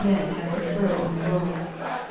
49 have conferred on the world !